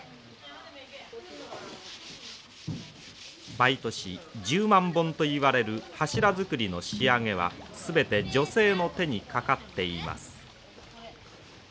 毎年１０万本といわれる柱作りの仕上げは全て女性の手にかかっています。